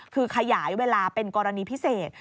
คือขยายเวลาเป็นกรณีพิเศษ